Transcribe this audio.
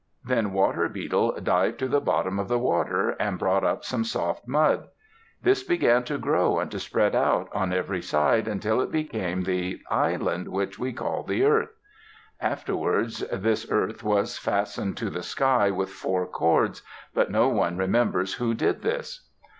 Then Water Beetle dived to the bottom of the water and brought up some soft mud. This began to grow and to spread out on every side until it became the island which we call the earth. Afterwards this earth was fastened to the sky with four cords, but no one remembers who did this.